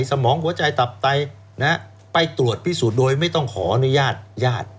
สมองหัวใจตับไตไปตรวจพิสูจน์โดยไม่ต้องขออนุญาตญาติ